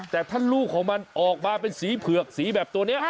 แต่ถ้าลูกของมันออกมาเป็นสีเผือกสีแบบตัวนี้